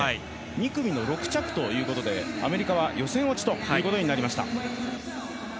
２組の６着ということでアメリカは予選落ちとなりました。